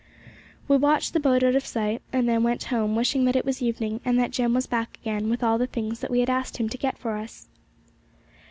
We watched the boat out of sight, and then went home, wishing that it was evening and that Jem was back again with all the things that we had asked him to get for us.